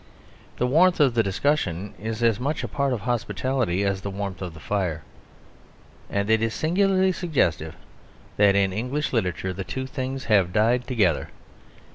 The warmth of the discussion is as much a part of hospitality as the warmth of the fire. And it is singularly suggestive that in English literature the two things have died together.